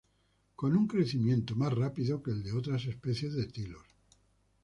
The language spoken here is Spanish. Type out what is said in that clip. Con un crecimiento más rápido que el de otras especies de tilos.